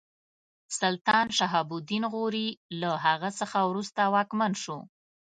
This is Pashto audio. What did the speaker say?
سلطان شهاب الدین غوري له هغه څخه وروسته واکمن شو.